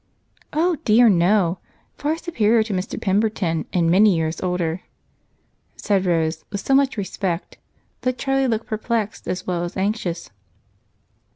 "Oh, dear, no! Far superior to Mr. Pemberton and many years older," said Rose, with so much respect that Charlie looked perplexed as well as anxious.